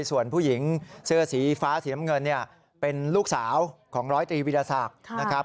ส่วนผู้หญิงเสื้อสีฟ้าสีน้ำเงินเนี่ยเป็นลูกสาวของร้อยตรีวิทยาศักดิ์นะครับ